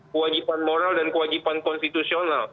kewajiban moral dan kewajiban konstitusional